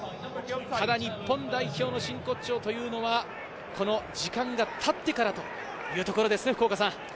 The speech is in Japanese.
ただ日本代表の真骨頂というのは、この時間がたってからというところですね。